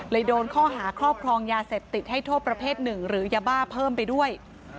โดนข้อหาครอบครองยาเสพติดให้โทษประเภทหนึ่งหรือยาบ้าเพิ่มไปด้วย